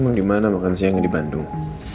emang di mana makan siangnya di bandung